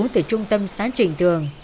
từ trung tâm xã trịnh tường